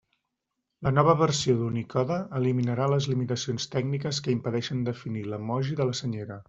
La nova versió d'Unicode eliminarà les limitacions tècniques que impedeixen definir l'emoji de la Senyera.